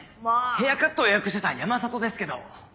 ヘアカットを予約してた山里ですけど。